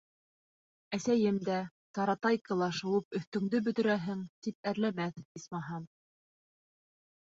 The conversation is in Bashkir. Әсәйем дә, таратайкала шыуып өҫтөңдө бөтөрәһең, тип әрләмәҫ, исмаһам...